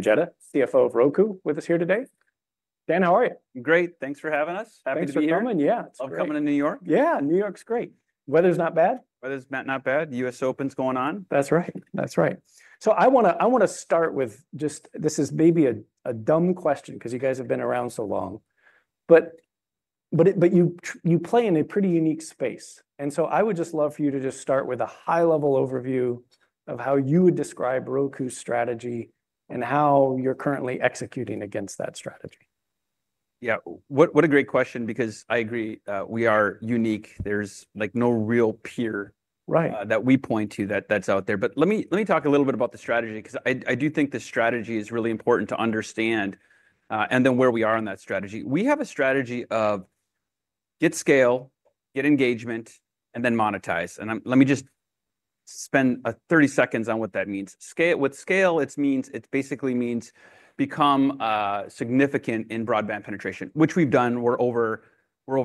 Dan Jedda, CFO of Roku, with us here today. Dan, how are you? Great. Thanks for having us. Happy to be here. Thanks for coming. Yeah. Love coming to New York. Yeah, New York's great. Weather's not bad. Weather's not bad. The U.S. Open's going on. That's right. That's right. I want to start with just, this is maybe a dumb question because you guys have been around so long. You play in a pretty unique space. I would just love for you to start with a high-level overview of how you would describe Roku's strategy and how you're currently executing against that strategy. Yeah. What a great question because I agree, we are unique. There's like no real peer that we point to that's out there. Let me talk a little bit about the strategy because I do think the strategy is really important to understand and then where we are on that strategy. We have a strategy of get scale, get engagement, and then monetize. Let me just spend 30 seconds on what that means. With scale, it basically means become significant in broadband penetration, which we've done. We're over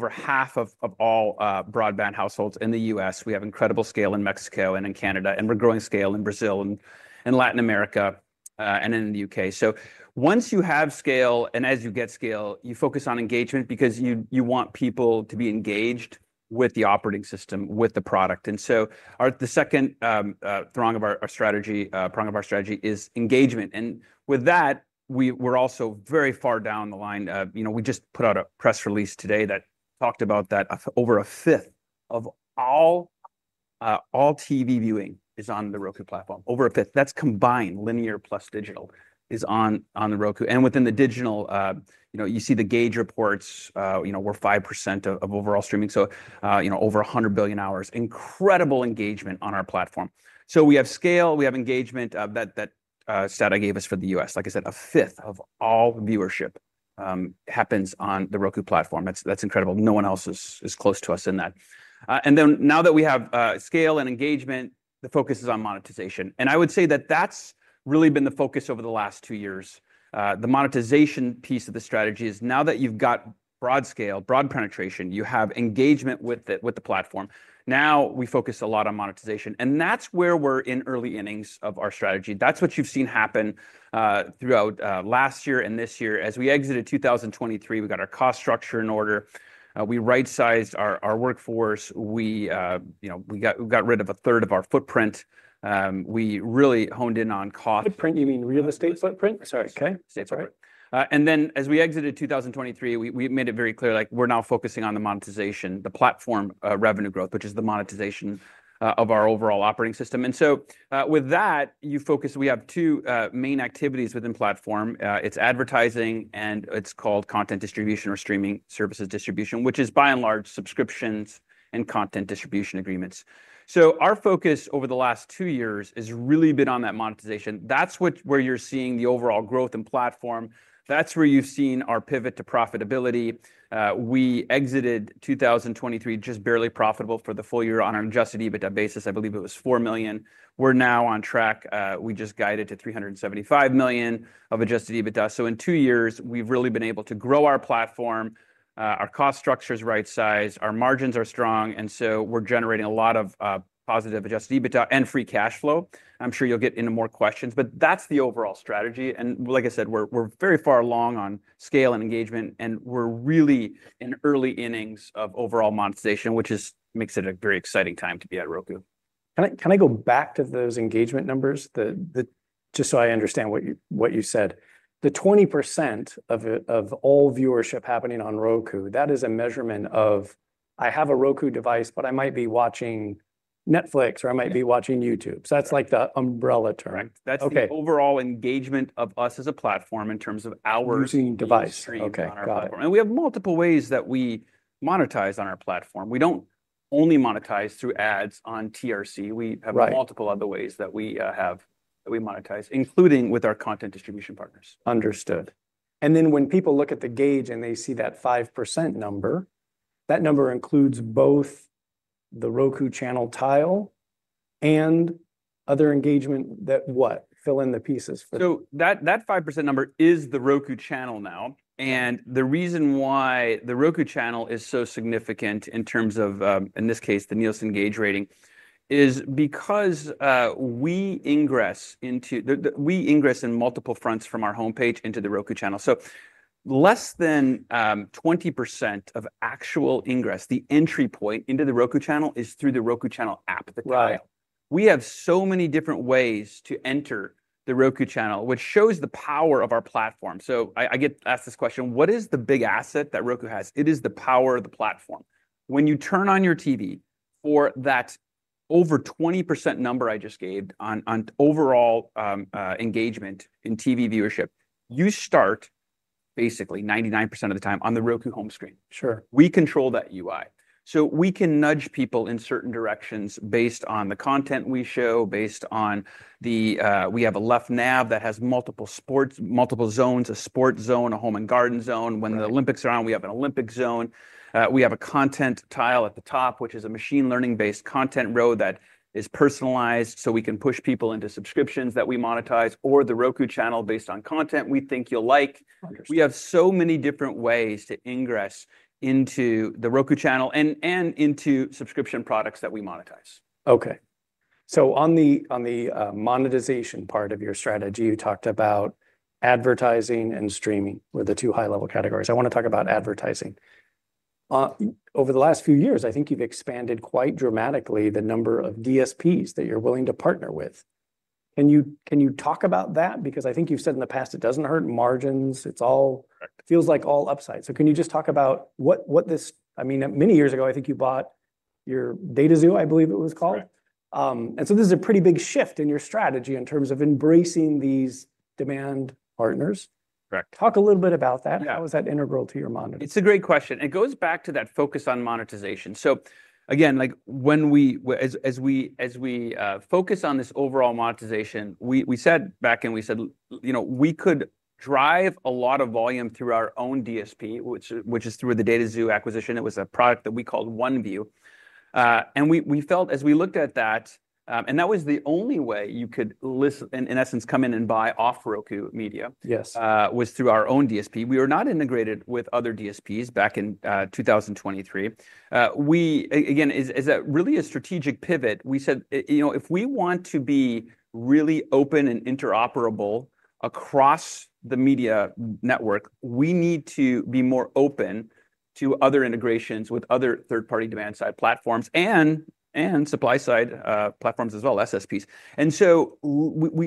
half of all broadband households in the U.S. We have incredible scale in Mexico and in Canada, and we're growing scale in Brazil and Latin America and in the U.K. Once you have scale, and as you get scale, you focus on engagement because you want people to be engaged with the operating system, with the product. The second prong of our strategy is engagement. With that, we're also very far down the line. We just put out a press release today that talked about that over a fifth of all TV viewing is on the Roku platform. Over a fifth. That's combined linear plus digital is on Roku. Within the digital, you see the gauge reports, we're 5% of overall streaming. Over 100 billion hours, incredible engagement on our platform. We have scale, we have engagement. That stat I gave is for the U.S., like I said, a fifth of all viewership happens on the Roku platform. That's incredible. No one else is close to us in that. Now that we have scale and engagement, the focus is on monetization. I would say that that's really been the focus over the last two years. The monetization piece of the strategy is now that you've got broad scale, broad penetration, you have engagement with the platform. Now we focus a lot on monetization. That's where we're in early innings of our strategy. That's what you've seen happen throughout last year and this year. As we exited 2023, we got our cost structure in order. We right-sized our workforce. We got rid of a third of our footprint. We really honed in on cost. Footprint, you mean real estate footprint? Sorry. As we exited 2023, we made it very clear we're now focusing on the monetization, the platform revenue growth, which is the monetization of our overall operating system. With that focus, we have two main activities within platform. It's advertising and it's called content distribution or streaming services distribution, which is by and large subscriptions and content distribution agreements. Our focus over the last two years has really been on that monetization. That's where you're seeing the overall growth in platform. That's where you've seen our pivot to profitability. We exited 2023 just barely profitable for the full year on an adjusted EBITDA basis. I believe it was $4 million. We're now on track. We just guided to $375 million of adjusted EBITDA. In two years, we've really been able to grow our platform. Our cost structure is right-sized. Our margins are strong, and we're generating a lot of positive adjusted EBITDA and free cash flow. I'm sure you'll get into more questions, but that's the overall strategy. Like I said, we're very far along on scale and engagement, and we're really in early innings of overall monetization, which makes it a very exciting time to be at Roku. Can I go back to those engagement numbers? Just so I understand what you said, the 20% of all viewership happening on Roku, that is a measurement of, I have a Roku device, but I might be watching Netflix or I might be watching YouTube. That's like the umbrella term. That's the overall engagement of us as a platform in terms of our streaming on our platform. We have multiple ways that we monetize on our platform. We don't only monetize through ads on TRC. We have multiple other ways that we monetize, including with our content distribution partners. Understood. When people look at the gauge and they see that 5% number, that number includes both The Roku Channel tile and other engagement. Fill in the pieces for that. That 5% number is The Roku Channel now. The reason why The Roku Channel is so significant in terms of, in this case, the Nielsen gauge rating is because we ingress into it in multiple fronts from our homepage into The Roku Channel. Less than 20% of actual ingress, the entry point into The Roku Channel, is through The Roku Channel app. We have so many different ways to enter The Roku Channel, which shows the power of our platform. I get asked this question, what is the big asset that Roku has? It is the power of the platform. When you turn on your TV for that over 20% number I just gave on overall engagement in TV viewership, you start basically 99% of the time on the Roku home screen. Sure. We control that UI, so we can nudge people in certain directions based on the content we show. We have a left nav that has multiple sports, multiple zones, a sports zone, a home and garden zone. When the Olympics are on, we have an Olympic zone. We have a content tile at the top, which is a machine learning-based content row that is personalized, so we can push people into subscriptions that we monetize or The Roku Channel based on content we think you'll like. We have so many different ways to ingress into The Roku Channel and into subscription products that we monetize. Okay. On the monetization part of your strategy, you talked about advertising and streaming were the two high-level categories. I want to talk about advertising. Over the last few years, I think you've expanded quite dramatically the number of DSPs that you're willing to partner with. Can you talk about that? I think you've said in the past it doesn't hurt margins. It feels like all upside. Can you just talk about what this, I mean, many years ago, I think you bought your dataxu, I believe it was called. This is a pretty big shift in your strategy in terms of embracing these demand partners. Correct. Talk a little bit about that. How is that integral to your monetization? It's a great question. It goes back to that focus on monetization. Again, as we focus on this overall monetization, we said back in, we said, you know, we could drive a lot of volume through our own DSP, which is through the dataxu acquisition. It was a product that we called OneView. We felt, as we looked at that, and that was the only way you could, in essence, come in and buy off Roku media, was through our own DSP. We were not integrated with other DSPs back in 2023. As really a strategic pivot, we said, you know, if we want to be really open and interoperable across the media network, we need to be more open to other integrations with other third-party demand-side platforms and supply-side platforms as well, SSPs.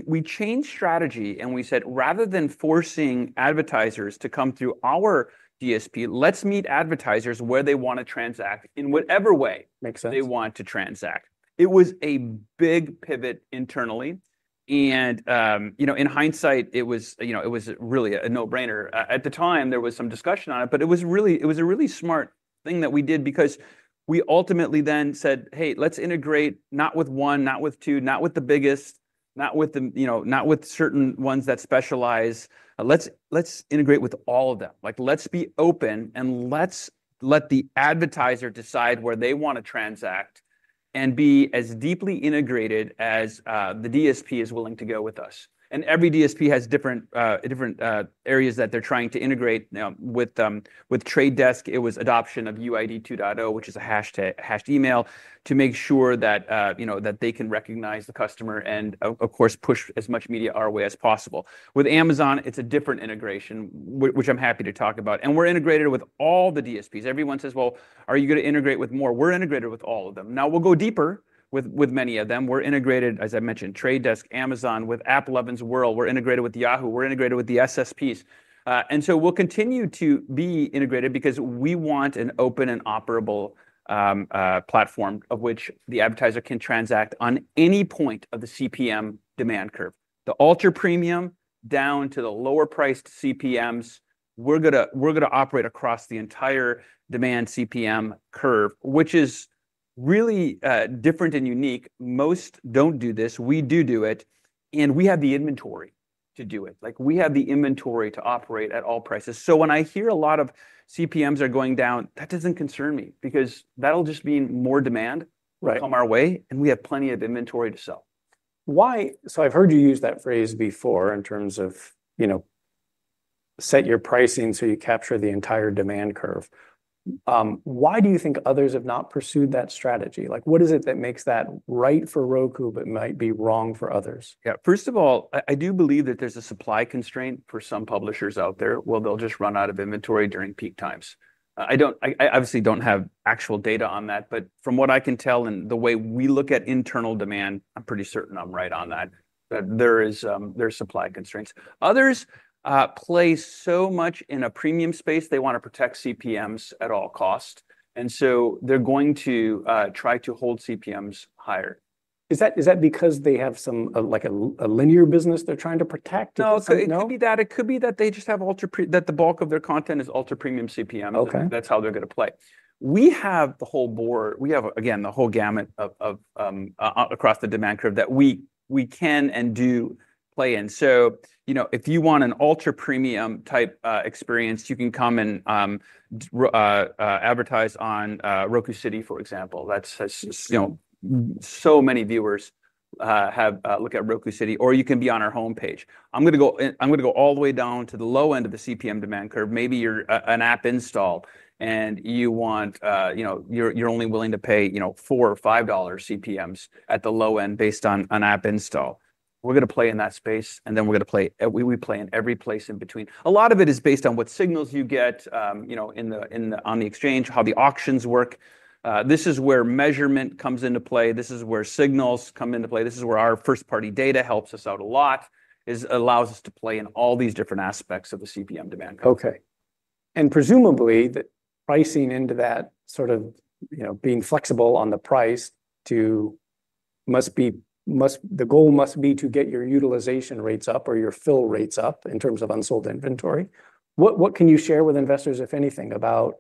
We changed strategy and we said, rather than forcing advertisers to come through our DSP, let's meet advertisers where they want to transact in whatever way they want to transact. It was a big pivot internally. In hindsight, it was really a no-brainer. At the time, there was some discussion on it, but it was a really smart thing that we did because we ultimately then said, hey, let's integrate not with one, not with two, not with the biggest, not with certain ones that specialize. Let's integrate with all of them. Let's be open and let the advertiser decide where they want to transact and be as deeply integrated as the DSP is willing to go with us. Every DSP has different areas that they're trying to integrate. With The Trade Desk, it was adoption of UID 2.0, which is a hashed email, to make sure that they can recognize the customer and, of course, push as much media our way as possible. With Amazon, it's a different integration, which I'm happy to talk about. We're integrated with all the DSPs. Everyone says, are you going to integrate with more? We're integrated with all of them. Now we'll go deeper with many of them. We're integrated, as I mentioned, The Trade Desk, Amazon, with AppLovin's world. We're integrated with Yahoo. We're integrated with the SSPs. We'll continue to be integrated because we want an open and operable platform of which the advertiser can transact on any point of the CPM demand curve. The ultra-premium down to the lower-priced CPMs, we're going to operate across the entire demand CPM curve, which is really different and unique. Most don't do this. We do do it. We have the inventory to do it. We have the inventory to operate at all prices. When I hear a lot of CPMs are going down, that doesn't concern me because that'll just mean more demand comes our way and we have plenty of inventory to sell. I've heard you use that phrase before in terms of, you know, set your pricing so you capture the entire demand curve. Why do you think others have not pursued that strategy? What is it that makes that right for Roku but might be wrong for others? Yeah. First of all, I do believe that there's a supply constraint for some publishers out there. They'll just run out of inventory during peak times. I don't have actual data on that, but from what I can tell and the way we look at internal demand, I'm pretty certain I'm right on that. There are supply constraints. Others play so much in a premium space. They want to protect CPMs at all costs, so they're going to try to hold CPMs higher. Is that because they have, like, a linear business they're trying to protect? It could be that. It could be that they just have ultra-premium, that the bulk of their content is ultra-premium CPM. That's how they're going to play. We have the whole board. We have, again, the whole gamut across the demand curve that we can and do play in. If you want an ultra-premium type experience, you can come and advertise on Roku City, for example. So many viewers look at Roku City, or you can be on our homepage. I'm going to go all the way down to the low end of the CPM demand curve. Maybe you're an app install and you want, you know, you're only willing to pay $4 or $5 CPMs at the low end based on an app install. We're going to play in that space and then we're going to play, we play in every place in between. A lot of it is based on what signals you get on the exchange, how the auctions work. This is where measurement comes into play. This is where signals come into play. This is where our first-party data helps us out a lot. It allows us to play in all these different aspects of the CPM demand curve. Okay. Presumably, the pricing into that sort of, you know, being flexible on the price must be, the goal must be to get your utilization rates up or your fill rates up in terms of unsold inventory. What can you share with investors, if anything, about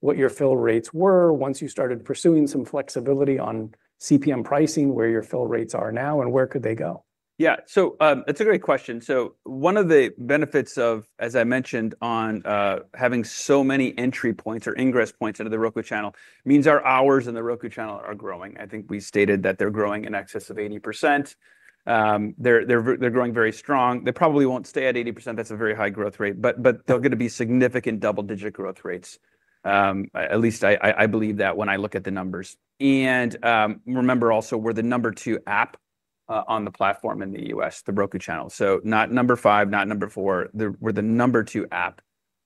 what your fill rates were once you started pursuing some flexibility on CPM pricing, where your fill rates are now, and where could they go? Yeah. It's a great question. One of the benefits of, as I mentioned, having so many entry points or ingress points into The Roku Channel means our hours in The Roku Channel are growing. I think we stated that they're growing in excess of 80%. They're growing very strong. They probably won't stay at 80%. That's a very high growth rate, but they're going to be significant double-digit growth rates. At least I believe that when I look at the numbers. Remember also we're the number two app on the platform in the U.S., The Roku Channel. Not number five, not number four. We're the number two app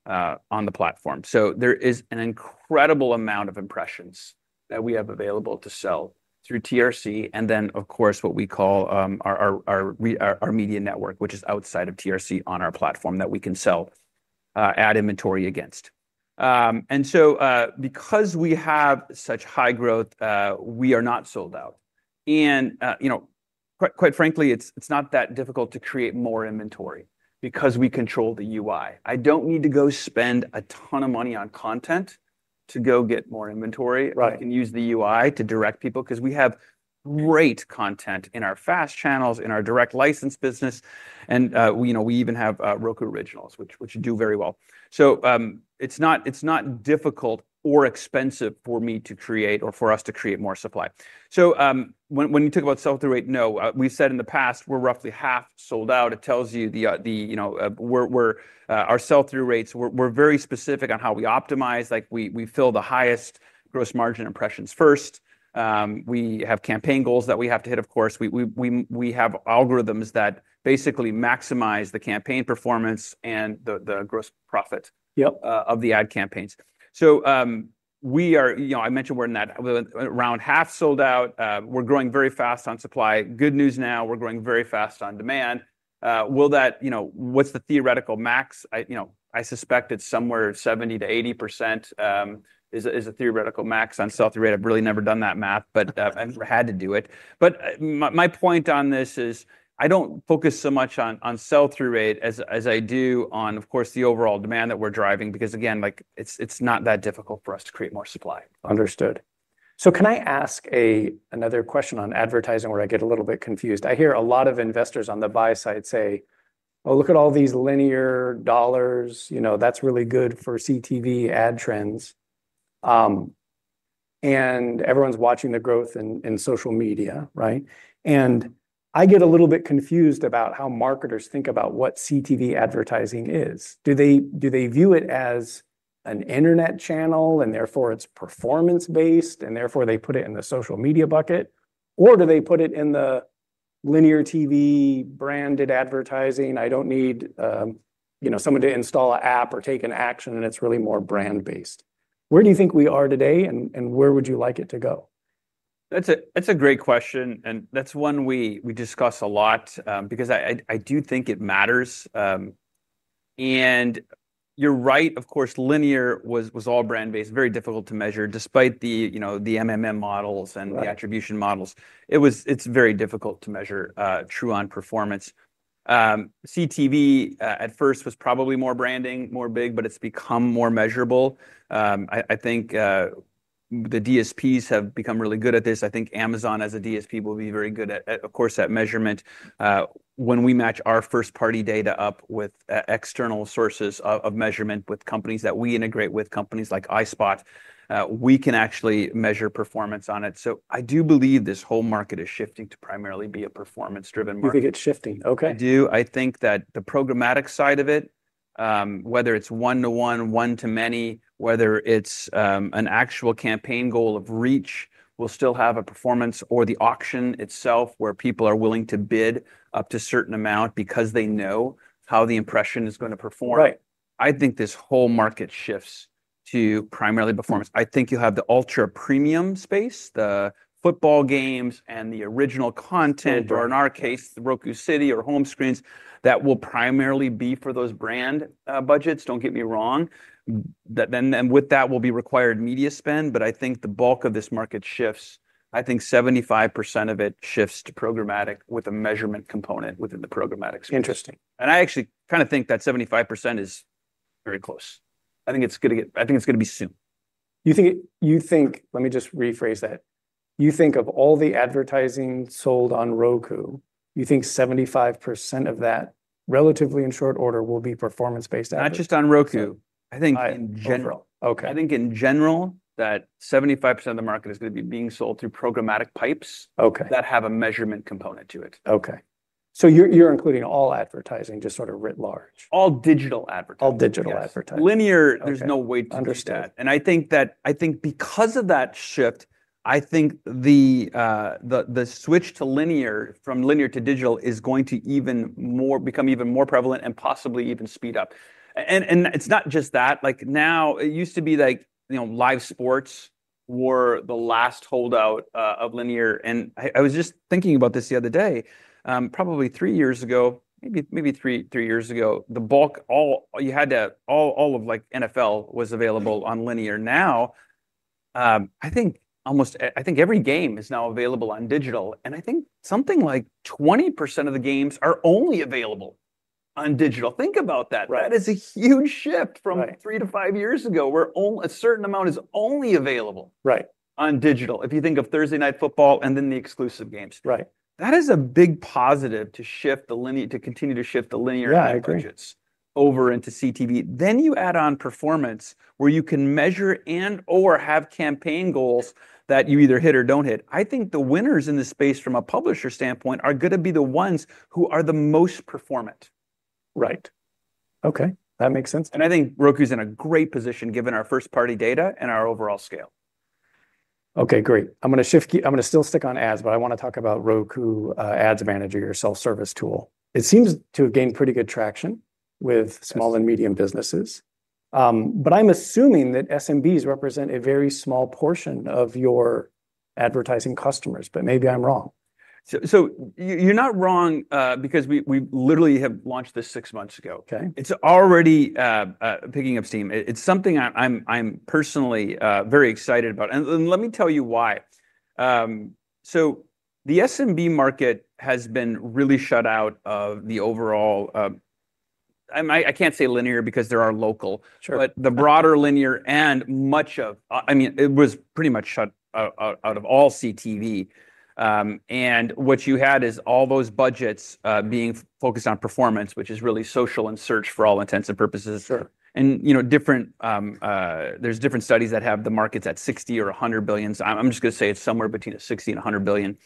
on the platform. There is an incredible amount of impressions that we have available to sell through TRC and then, of course, what we call our media network, which is outside of TRC on our platform that we can sell ad inventory against. Because we have such high growth, we are not sold out. Quite frankly, it's not that difficult to create more inventory because we control the UI. I don't need to go spend a ton of money on content to go get more inventory. I can use the UI to direct people because we have great content in our FAST channels, in our direct license business. We even have Roku Originals, which do very well. It's not difficult or expensive for us to create more supply. When you talk about sell-through rate, no, we've said in the past we're roughly half sold out. It tells you our sell-through rates. We're very specific on how we optimize. We fill the highest gross margin impressions first. We have campaign goals that we have to hit, of course. We have algorithms that basically maximize the campaign performance and the gross profit of the ad campaigns. I mentioned we're in that around half sold out. We're growing very fast on supply. Good news now, we're growing very fast on demand. What's the theoretical max? I suspect it's somewhere 70%- 80% is a theoretical max on sell-through rate. I've really never done that math, but I've never had to do it. My point on this is I don't focus so much on sell-through rate as I do on, of course, the overall demand that we're driving because, again, it's not that difficult for us to create more supply. Understood. Can I ask another question on advertising where I get a little bit confused? I hear a lot of investors on the buy side say, oh, look at all these linear dollars, you know, that's really good for CTV ad trends. Everyone's watching the growth in social media, right? I get a little bit confused about how marketers think about what CTV advertising is. Do they view it as an internet channel and therefore it's performance-based and they put it in the social media bucket? Or do they put it in the linear TV branded advertising? I don't need, you know, someone to install an app or take an action and it's really more brand-based. Where do you think we are today and where would you like it to go? That's a great question and that's one we discuss a lot because I do think it matters. You're right, of course, linear was all brand-based, very difficult to measure despite the MMM models and the attribution models. It's very difficult to measure true-on performance. CTV at first was probably more branding, more big, but it's become more measurable. I think the DSPs have become really good at this. I think Amazon as a DSP will be very good at, of course, that measurement. When we match our first-party data up with external sources of measurement with companies that we integrate with, companies like iSpot, we can actually measure performance on it. I do believe this whole market is shifting to primarily be a performance-driven market. You think it's shifting? Okay. I do. I think that the programmatic side of it, whether it's one-to-one, one-to-many, whether it's an actual campaign goal of reach, will still have a performance or the auction itself where people are willing to bid up to a certain amount because they know how the impression is going to perform. I think this whole market shifts to primarily performance. I think you'll have the ultra-premium space, the football games and the original content, or in our case, the Roku City or home screens that will primarily be for those brand budgets, don't get me wrong. With that will be required media spend, but I think the bulk of this market shifts, I think 75% of it shifts to programmatic with a measurement component within the programmatic space. Interesting. I actually kind of think that 75% is very close. I think it's going to be soon. You think of all the advertising sold on Roku, you think 75% of that relatively in short order will be performance-based advertising? Not just on Roku. I think in general. I think in general that 75% of the market is going to be being sold through programmatic pipes that have a measurement component to it. Okay. You're including all advertising just sort of writ large. All digital advertising. All digital advertising. There's no way to do that with linear. I think because of that shift, the switch from linear to digital is going to become even more prevalent and possibly even speed up. It's not just that. It used to be, you know, live sports were the last holdout of linear. I was just thinking about this the other day, probably three years ago, maybe three years ago, the bulk, all you had to, all of NFL was available on linear. Now, I think almost every game is now available on digital. I think something like 20% of the games are only available on digital. Think about that. That is a huge shift from three to five years ago where only a certain amount was only available on digital. If you think of Thursday Night Football and then the exclusive games. That is a big positive to shift the linear, to continue to shift the linear advertisers over into CTV. You add on performance where you can measure and/or have campaign goals that you either hit or don't hit. I think the winners in this space from a publisher standpoint are going to be the ones who are the most performant. Right. Okay, that makes sense. I think Roku is in a great position given our first-party data and our overall scale. Okay, great. I'm going to shift gears. I'm going to still stick on ads, but I want to talk about Roku Ads Manager, your self-service tool. It seems to have gained pretty good traction with small and medium businesses. I'm assuming that SMBs represent a very small portion of your advertising customers, but maybe I'm wrong. You're not wrong because we literally have launched this six months ago. It's already picking up steam. I'm personally very excited about it, and let me tell you why. The SMB market has been really shut out of the overall—I can't say linear because there are local—but the broader linear and much of, I mean, it was pretty much shut out of all CTV. What you had is all those budgets being focused on performance, which is really social and search for all intents and purposes. You know, different, there's different studies that have the markets at $60 billion or $100 billion. I'm just going to say it's somewhere between $60 billion and $100 billion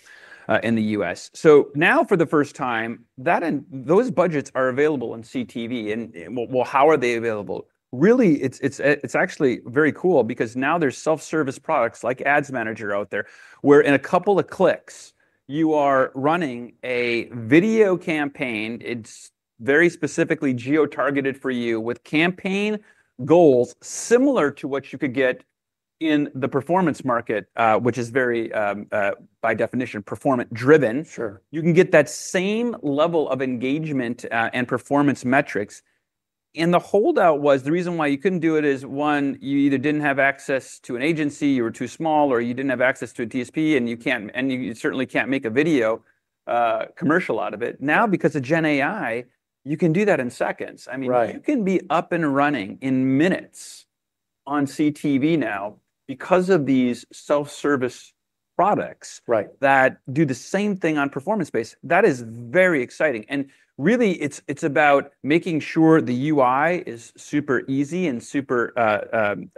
in the U.S. Now for the first time, those budgets are available in CTV. How are they available? It's actually very cool because now there's self-service products like Ads Manager out there where in a couple of clicks, you are running a video campaign. It's very specifically geo-targeted for you with campaign goals similar to what you could get in the performance market, which is very, by definition, performance-driven. Sure. You can get that same level of engagement and performance metrics. The holdout was the reason why you couldn't do it is one, you either didn't have access to an agency, you were too small, or you didn't have access to a DSP and you can't, and you certainly can't make a video commercial out of it. Now, because of Gen AI, you can do that in seconds. I mean, you can be up and running in minutes on CTV now because of these self-service products that do the same thing on performance-based. That is very exciting. It is really about making sure the UI is super easy and super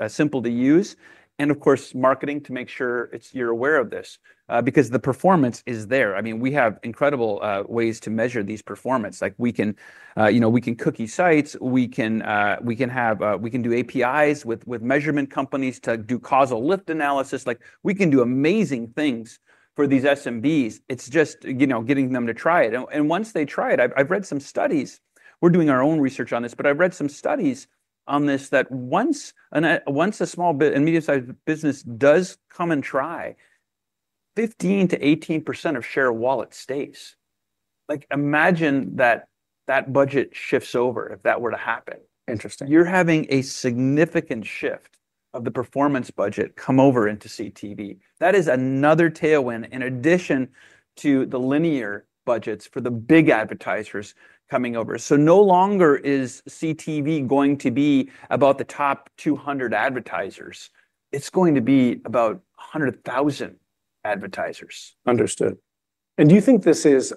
simple to use. Of course, marketing to make sure you're aware of this because the performance is there. I mean, we have incredible ways to measure these performances. We can cookie sites. We can do APIs with measurement companies to do causal lift analysis. We can do amazing things for these SMBs. It's just getting them to try it. Once they try it, I've read some studies. We're doing our own research on this, but I've read some studies on this that once a small and medium-sized business does come and try, 15%- 18% of share wallet stays. Imagine that that budget shifts over if that were to happen. Interesting. You're having a significant shift of the performance budget come over into CTV. That is another tailwind in addition to the linear budgets for the big advertisers coming over. No longer is CTV going to be about the top 200 advertisers. It's going to be about 100,000 advertisers. Do you think this is,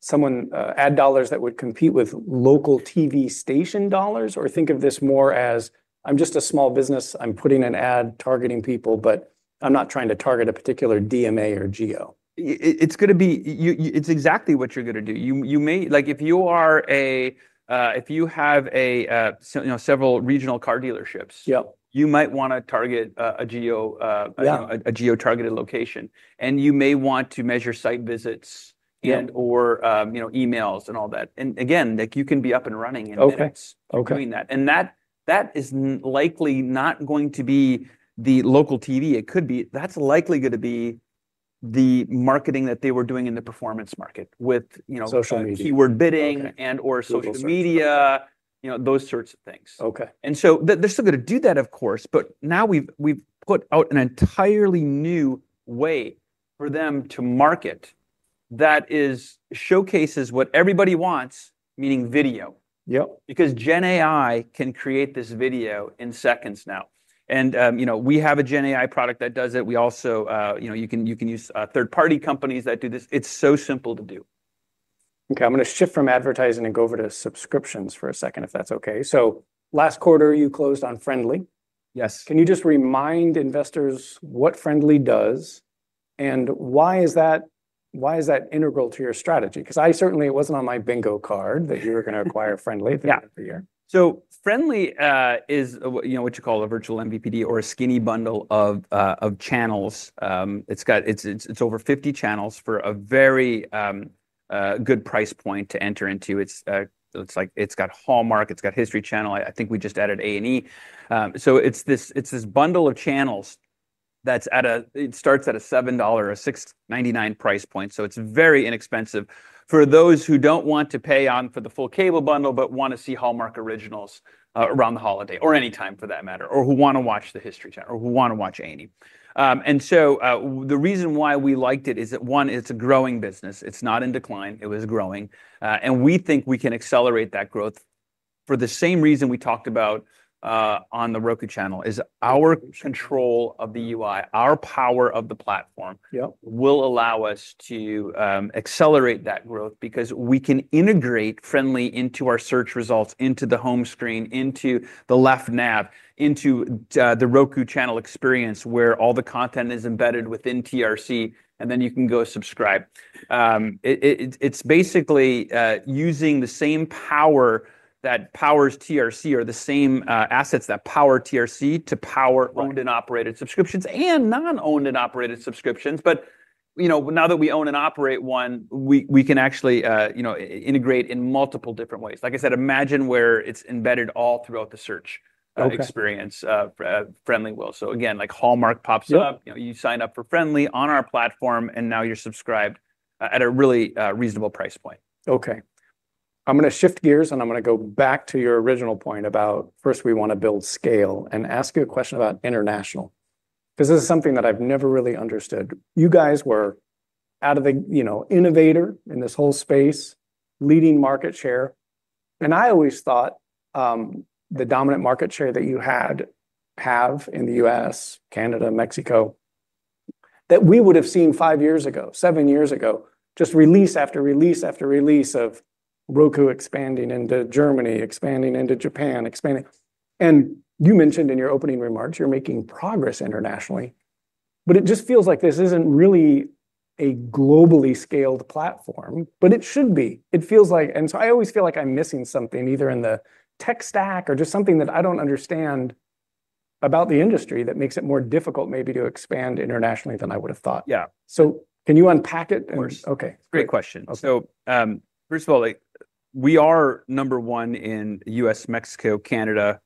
should investors think of this as some ad dollars that would compete with local TV station dollars, or think of this more as I'm just a small business, I'm putting an ad targeting people, but I'm not trying to target a particular DMA or geo? It's going to be, it's exactly what you're going to do. If you are a, if you have a, you know, several regional car dealerships, you might want to target a geo, you know, a geo-targeted location. You may want to measure site visits and/or, you know, emails and all that. You can be up and running in terms of doing that. That is likely not going to be the local TV. It could be, that's likely going to be the marketing that they were doing in the performance market with, you know, keyword bidding and/or social media, you know, those sorts of things. Okay. They're still going to do that, of course, but now we've put out an entirely new way for them to market that showcases what everybody wants, meaning video. Yep. Gen AI can create this video in seconds now. We have a Gen AI product that does it. You can also use third-party companies that do this. It's so simple to do. Okay. I'm going to shift from advertising and go over to subscriptions for a second if that's okay. Last quarter you closed on Frndly. Yes. Can you just remind investors what Frndly does and why is that integral to your strategy? Because I certainly, it wasn't on my bingo card that you were going to acquire Frndly at the end of the year. Yeah. So Frndly is, you know, what you call a virtual MVPD or a skinny bundle of channels. It's got, it's over 50 channels for a very good price point to enter into. It's like, it's got Hallmark, it's got History Channel. I think we just added A&E. It's this bundle of channels that's at a, it starts at a $7 or a $6.99 price point. It's very inexpensive for those who don't want to pay for the full cable bundle but want to see Hallmark Originals around the holiday or anytime for that matter or who want to watch the History Channel or who want to watch A&E. The reason why we liked it is that one, it's a growing business. It's not in decline. It was growing. We think we can accelerate that growth for the same reason we talked about on The Roku Channel is our control of the UI, our power of the platform will allow us to accelerate that growth because we can integrate Frndly into our search results, into the home screen, into the left nav, into The Roku Channel experience where all the content is embedded within TRC. Then you can go subscribe. It's basically using the same power that powers TRC or the same assets that power TRC to power owned and operated subscriptions and non-owned and operated subscriptions. Now that we own and operate one, we can actually, you know, integrate in multiple different ways. Like I said, imagine where it's embedded all throughout the search experience Frndly will. Again, like Hallmark pops up, you know, you sign up for Frndly on our platform and now you're subscribed at a really reasonable price point. Okay. I'm going to shift gears and I'm going to go back to your original point about first we want to build scale and ask you a question about international. This is something that I've never really understood. You guys were the innovator in this whole space, leading market share. I always thought the dominant market share that you have in the U.S., Canada, Mexico, that we would have seen five years ago, seven years ago, just release after release after release of Roku expanding into Germany, expanding into Japan, expanding. You mentioned in your opening remarks you're making progress internationally. It just feels like this isn't really a globally scaled platform, but it should be. It feels like I always feel like I'm missing something either in the tech stack or just something that I don't understand about the industry that makes it more difficult maybe to expand internationally than I would have thought. Yeah. Can you unpack it? Okay. Great question. First of all, we are number one in the U.S., Mexico, and Canada.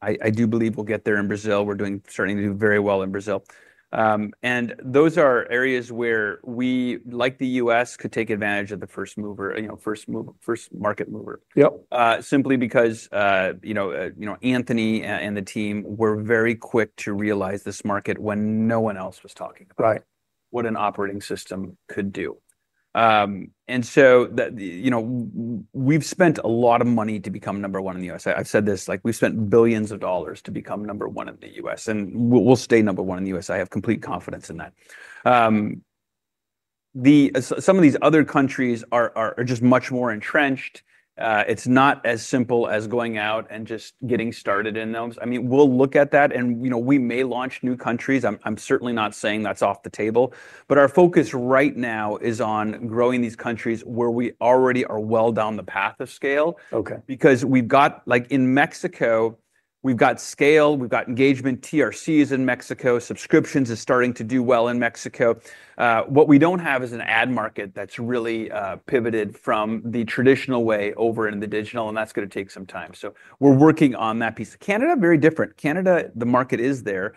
I do believe we'll get there in Brazil. We're doing certainly very well in Brazil. Those are areas where we, like the U.S., could take advantage of the first mover, you know, first move, first market mover. Yep. Simply because, you know, Anthony and the team were very quick to realize this market when no one else was talking about it. What an operating system could do. We've spent a lot of money to become number one in the U.S. I've said this, like we've spent billions of dollars to become number one in the U.S., and we'll stay number one in the U.S. I have complete confidence in that. Some of these other countries are just much more entrenched. It's not as simple as going out and just getting started in those. We'll look at that, and we may launch new countries. I'm certainly not saying that's off the table. Our focus right now is on growing these countries where we already are well down the path of scale. Okay. Because we've got, like in Mexico, we've got scale, we've got engagement. TRC is in Mexico. Subscriptions are starting to do well in Mexico. What we don't have is an ad market that's really pivoted from the traditional way over into the digital, and that's going to take some time. We're working on that piece. Canada, very different. Canada, the market is there.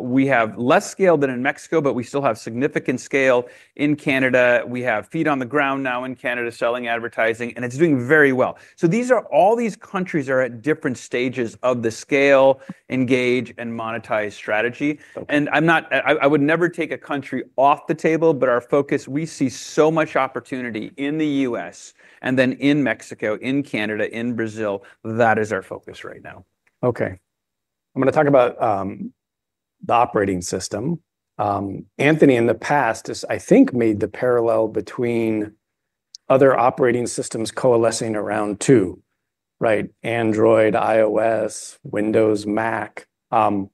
We have less scale than in Mexico, but we still have significant scale in Canada. We have feet on the ground now in Canada selling advertising, and it's doing very well. These are all these countries that are at different stages of the scale, engage, and monetize strategy. I would never take a country off the table, but our focus, we see so much opportunity in the U.S. and then in Mexico, in Canada, in Brazil. That is our focus right now. Okay. I'm going to talk about the operating system. Anthony, in the past, I think made the parallel between other operating systems coalescing around two, right? Android, iOS, Windows, Mac. I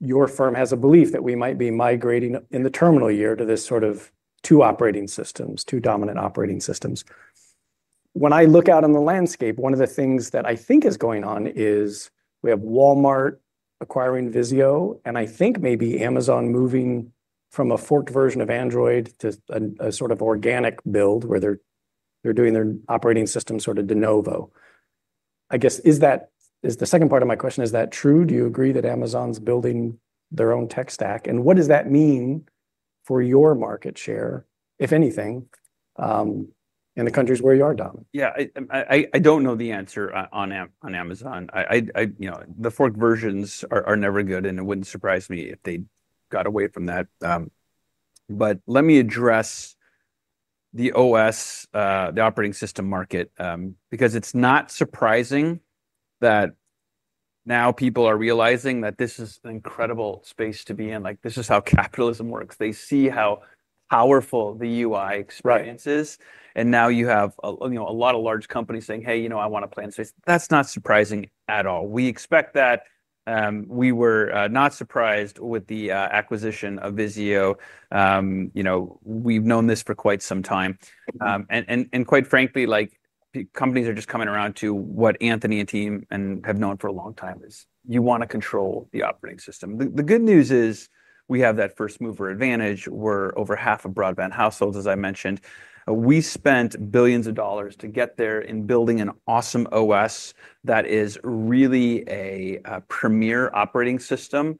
think your firm has a belief that we might be migrating in the terminal year to this sort of two operating systems, two dominant operating systems. When I look out on the landscape, one of the things that I think is going on is we have Walmart acquiring VIZIO, and I think maybe Amazon moving from a forked version of Android to a sort of organic build where they're doing their operating system sort of de novo. Is the second part of my question, is that true? Do you agree that Amazon's building their own tech stack? What does that mean for your market share, if anything, in the countries where you are dominant? Yeah, I don't know the answer on Amazon. The forked versions are never good, and it wouldn't surprise me if they got away from that. Let me address the OS, the operating system market, because it's not surprising that now people are realizing that this is an incredible space to be in. This is how capitalism works. They see how powerful the UI experience is. Now you have a lot of large companies saying, hey, I want to play in space. That's not surprising at all. We expect that. We were not surprised with the acquisition of VIZIO. We've known this for quite some time. Quite frankly, companies are just coming around to what Anthony and team have known for a long time, which is you want to control the operating system. The good news is we have that first mover advantage. We're over half of broadband households, as I mentioned. We spent billions of dollars to get there in building an awesome OS that is really a premier operating system.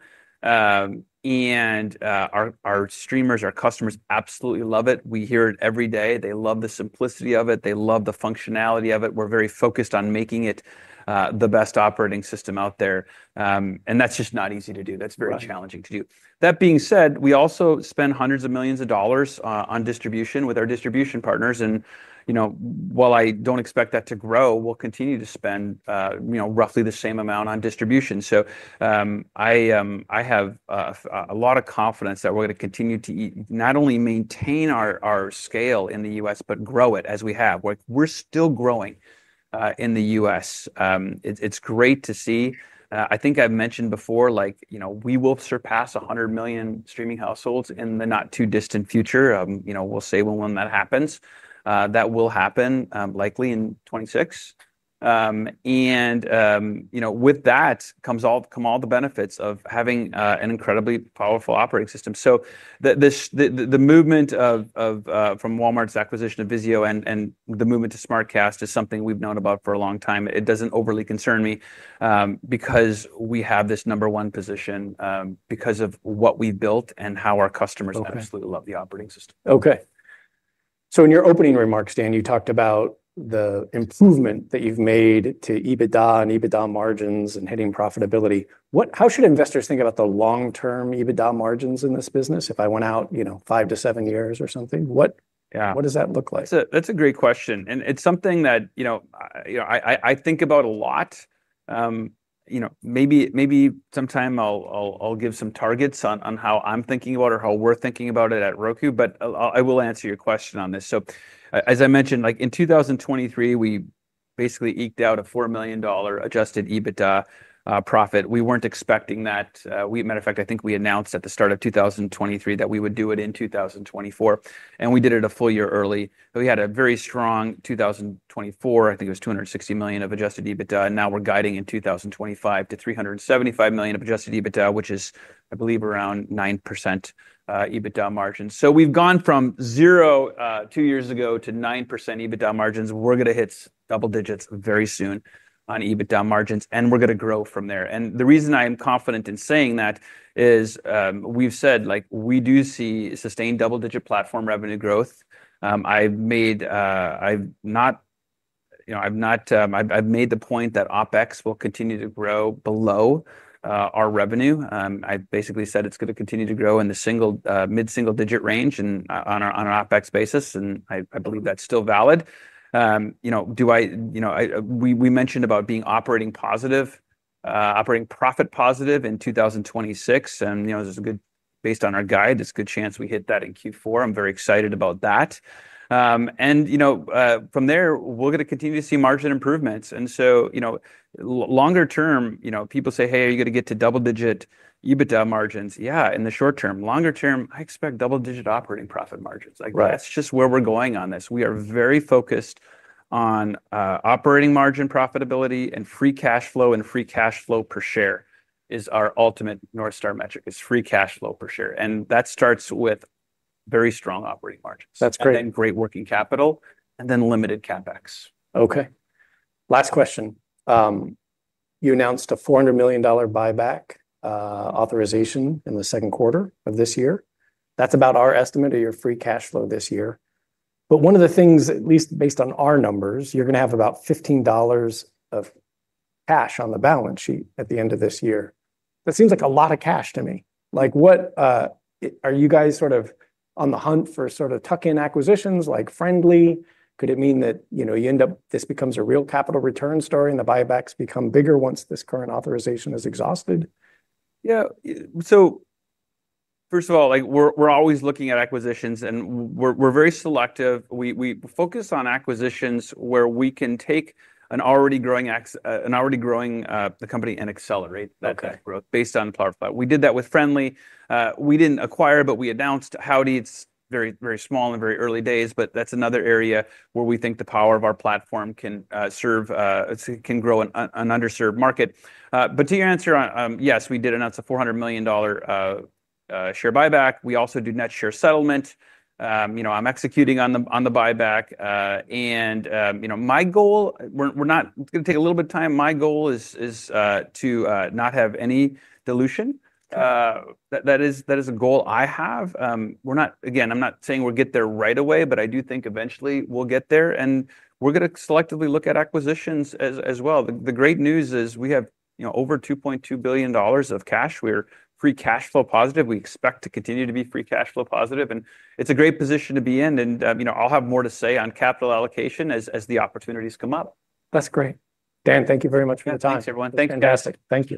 Our streamers, our customers absolutely love it. We hear it every day. They love the simplicity of it. They love the functionality of it. We're very focused on making it the best operating system out there. That's just not easy to do. That's very challenging to do. That being said, we also spend hundreds of millions of dollars on distribution with our distribution partners. While I don't expect that to grow, we'll continue to spend roughly the same amount on distribution. I have a lot of confidence that we're going to continue to not only maintain our scale in the U.S., but grow it as we have. We're still growing in the U.S. It's great to see. I think I've mentioned before, we will surpass 100 million streaming households in the not too distant future. We'll say when that happens. That will happen likely in 2026. With that come all the benefits of having an incredibly powerful operating system. The movement from Walmart's acquisition of VIZIO and the movement to SmartCast is something we've known about for a long time. It doesn't overly concern me because we have this number one position because of what we built and how our customers absolutely love the operating system. Okay. In your opening remarks, Dan, you talked about the improvement that you've made to EBITDA and EBITDA margins and hitting profitability. How should investors think about the long-term EBITDA margins in this business? If I went out, you know, five to seven years or something, what does that look like? That's a great question. It's something that I think about a lot. Maybe sometime I'll give some targets on how I'm thinking about it or how we're thinking about it at Roku, but I will answer your question on this. As I mentioned, in 2023, we basically eked out a $4 million adjusted EBITDA profit. We weren't expecting that. As a matter of fact, I think we announced at the start of 2023 that we would do it in 2024, and we did it a full year early. We had a very strong 2024, I think it was $260 million of adjusted EBITDA. Now we're guiding in 2025 to $375 million of adjusted EBITDA, which is, I believe, around 9% EBITDA margins. We've gone from zero two years ago to 9% EBITDA margins. We're going to hit double digits very soon on EBITDA margins, and we're going to grow from there. The reason I'm confident in saying that is we've said we do see sustained double-digit platform revenue growth. I've made the point that OpEx will continue to grow below our revenue. I basically said it's going to continue to grow in the single, mid-single-digit range on an OpEx basis, and I believe that's still valid. We mentioned about being operating profit positive in 2026, and based on our guide, there's a good chance we hit that in Q4. I'm very excited about that. From there, we're going to continue to see margin improvements. Longer term, people say, hey, are you going to get to double-digit EBITDA margins? Yeah, in the short- term. Longer term, I expect double-digit operating profit margins. That's just where we're going on this. We are very focused on operating margin profitability and free cash flow, and free cash flow per share is our ultimate North Star Metric. It's free cash flow per share, and that starts with very strong operating margins. That's great. Great working capital and then limited CapEx. Okay. Last question. You announced a $400 million buyback authorization in the second quarter of this year. That's about our estimate of your free cash flow this year. At least based on our numbers, you're going to have about $15 of cash on the balance sheet at the end of this year. That seems like a lot of cash to me. What are you guys sort of on the hunt for, sort of tuck-in acquisitions like Frndly? Could it mean that, you know, you end up, this becomes a real capital return story and the buybacks become bigger once this current authorization is exhausted? Yeah. First of all, we're always looking at acquisitions and we're very selective. We focus on acquisitions where we can take an already growing company and accelerate that growth based on powerful. We did that with Frndly. We didn't acquire, but we announced how it's very, very small and very early days. That's another area where we think the power of our platform can serve, can grow an underserved market. To your answer, yes, we did announce a $400 million share buyback. We also do net share settlement. I'm executing on the buyback. My goal, we're not, it's going to take a little bit of time. My goal is to not have any dilution. That is a goal I have. We're not, again, I'm not saying we'll get there right away, but I do think eventually we'll get there. We're going to selectively look at acquisitions as well. The great news is we have over $2.2 billion of cash. We're free cash flow positive. We expect to continue to be free cash flow positive. It's a great position to be in. I'll have more to say on capital allocation as the opportunities come up. That's great. Dan, thank you very much for your time. Thanks, everyone. Fantastic. Thank you.